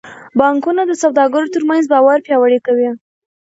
بانکونه د سوداګرو ترمنځ باور پیاوړی کوي.